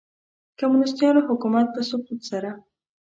د کمونیسټانو حکومت په سقوط سره.